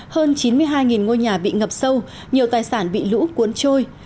hơn chín mươi hai ngôi nhà bị ngập sâu nhiều tài sản bị lũ cuốn trôi